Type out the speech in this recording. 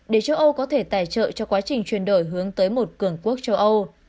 để châu âu có thể tài trợ cho quá trình chuyển đổi hướng tới một cường quốc châu âu